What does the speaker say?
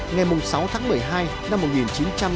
ngày sáu tháng một mươi hai năm một nghìn chín trăm năm mươi ba